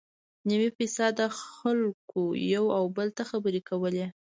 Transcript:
نوي فیصده خلکو یو او بل ته خبرې کولې.